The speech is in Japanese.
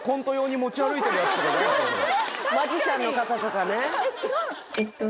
マジシャンの方とかねえっと